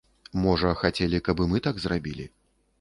Можа, хацелі, каб і мы так зрабілі.